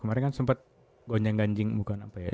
kemarin kan sempat gonceng ganjing bukan apa ya